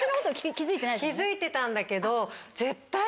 気付いてたんだけど。